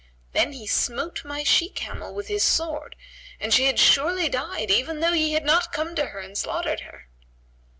Then he smote my she camel with his sword, and she had surely died even though ye had not come to her and slaughtered her."